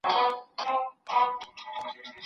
پهدهپسېويثوابونهيېدلېپاتهسي